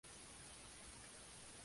K. Carpenter.